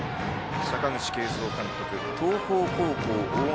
阪口慶三監督、東邦高校大垣